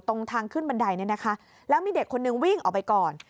ตรงทางขึ้นบันไดเนี่ยนะคะแล้วมีเด็กคนนึงวิ่งออกไปก่อน